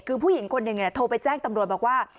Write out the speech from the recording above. คือผู้หญิงคนหนึ่งโทรไปแจ้งตำรวจบอกว่า